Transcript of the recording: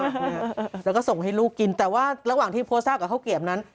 หรือยังไงแล้วก็ส่งให้ลูกกินแต่ว่าระหว่างที่พสักกับเข้าเกียบนั้น